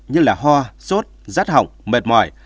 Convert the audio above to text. như hoa sốt rát hỏng mệt mỏi